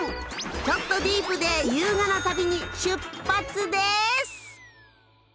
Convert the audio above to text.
ちょっとディープで優雅な旅に出発です！